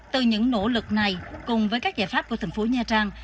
từ những nỗ lực này cùng với các giải pháp của thành phố nha trang